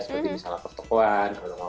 seperti misalnya pertemuan